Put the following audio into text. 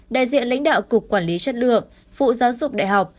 đại diện lãnh đạo cục quản lý chất lượng vụ giáo dục đại học